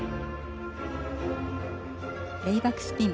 レイバックスピン。